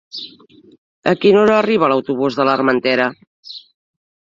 A quina hora arriba l'autobús de l'Armentera?